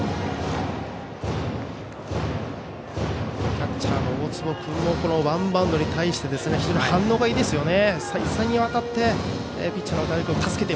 キャッチャーの大坪君もワンバウンドに対して非常に反応がいいですよね。